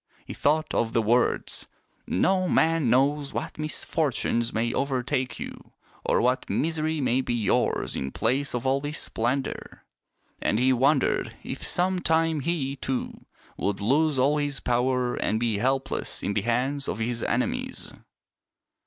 He thought of the words, " No man kno.ws what misfortunes may overtake you, or what misery may be yours in place of all this splendor." And he wondered if some time he, too, would lose all his power and be helpless in the hands of his enemies.